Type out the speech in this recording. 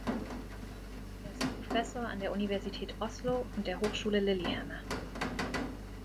Er ist Professor an der Universität Oslo und der Hochschule Lillehammer.